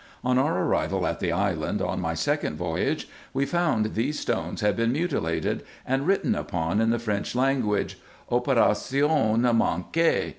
On our arrival at the island, on my second voyage, we found these stones had been mutilated, and written upon in the French lan guage, " operation manquee."